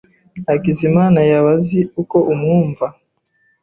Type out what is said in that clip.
Hakizimana yaba azi uko umwumva?